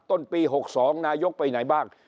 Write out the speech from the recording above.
ต้นปี๖๒นายกไปไหนบ้าง